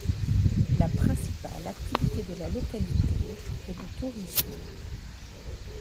La principale activité de la localité est le tourisme.